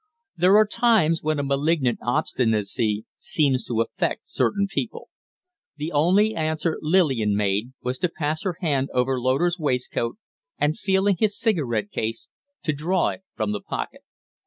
There are times when a malignant obstinacy seems to affect certain people. The only answer Lillian made was to pass her hand over Loder's waistcoat, and, feeling his cigarette case, to draw it from the pocket.